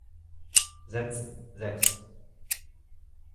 Setzen, sechs!